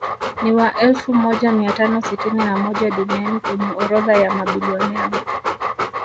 Ni wa elfu moja mia tano sitini na moja duniani kwenye orodha ya mabilionea